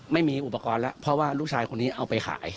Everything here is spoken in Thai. ไม่มีอุปกรณ์แล้วเพราะว่าลูกชายคนนี้เอาไปขาย